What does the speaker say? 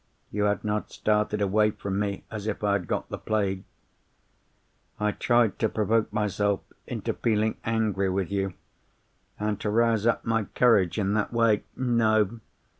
You had not started away from me as if I had got the plague. I tried to provoke myself into feeling angry with you, and to rouse up my courage in that way. No!